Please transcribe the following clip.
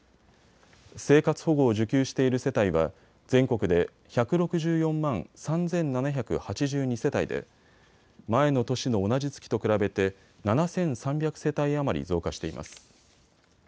生活保護を受給している世帯は全国で１６４万３７８２世帯で前の年の同じ月と比べて７３００世帯余り増加しています。